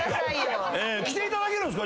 着ていただけるんすか？